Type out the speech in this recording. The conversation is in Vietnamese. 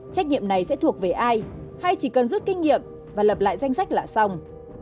trách nhiệm này sẽ thuộc về ai hay chỉ cần rút kinh nghiệm và lập lại danh sách là xong